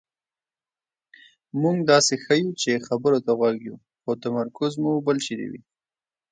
مونږ داسې ښیو چې خبرو ته غوږ یو خو تمرکز مو بل چېرې وي.